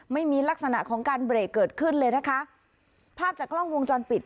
ไม่มีลักษณะของการเบรกเกิดขึ้นเลยนะคะภาพจากกล้องวงจรปิด